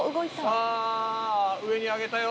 さあ上に上げたよと。